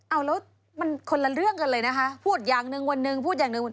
เอาแล้วมันคนละเรื่องกันเลยนะคะพูดอย่างหนึ่งวันหนึ่งพูดอย่างหนึ่ง